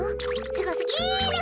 すごすぎる！